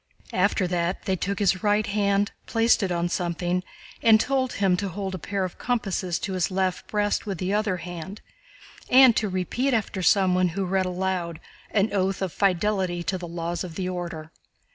After that they took his right hand, placed it on something, and told him to hold a pair of compasses to his left breast with the other hand and to repeat after someone who read aloud an oath of fidelity to the laws of the Order.